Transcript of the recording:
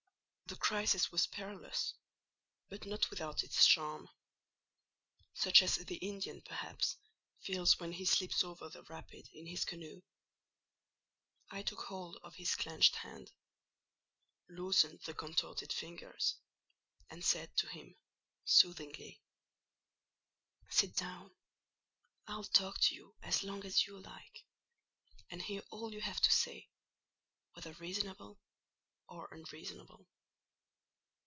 The crisis was perilous; but not without its charm: such as the Indian, perhaps, feels when he slips over the rapid in his canoe. I took hold of his clenched hand, loosened the contorted fingers, and said to him, soothingly— "Sit down; I'll talk to you as long as you like, and hear all you have to say, whether reasonable or unreasonable."